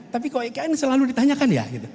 tapi kok ikn selalu ditanyakan ya